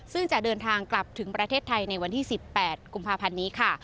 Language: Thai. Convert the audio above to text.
ซึ่งจะเดินทางกลับถึงประเทศไทยในวันที่๑๘กุมภาพันธ์นี้ค่ะ